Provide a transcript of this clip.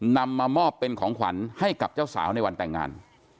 นำมามอบเป็นของขวัญให้กับเจ้าสาวในวันแต่งงาน